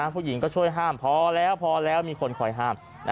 ผู้หญิงก็ช่วยห้ามพอแล้วพอแล้วมีคนคอยห้าม